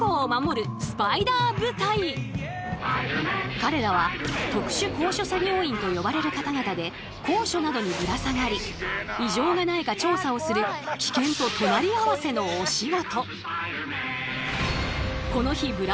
彼らは特殊高所作業員と呼ばれる方々で高所などにぶら下がり異常がないか調査をする危険と隣り合わせのお仕事。